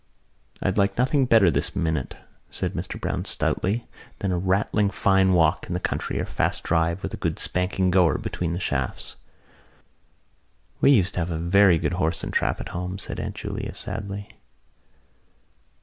"I'd like nothing better this minute," said Mr Browne stoutly, "than a rattling fine walk in the country or a fast drive with a good spanking goer between the shafts." "We used to have a very good horse and trap at home," said Aunt Julia sadly.